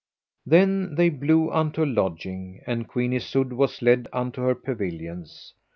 Then they blew unto lodging, and Queen Isoud was led unto her pavilions.